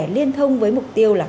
liên thông với mục tiêu là